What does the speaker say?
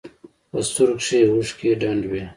په سترګو کښې يې اوښکې ډنډ وې.